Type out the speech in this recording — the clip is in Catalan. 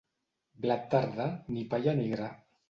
Blat tardà, ni palla ni gra.